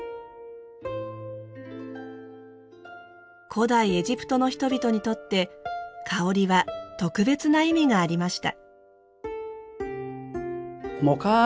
古代エジプトの人々にとって香りは特別な意味がありました。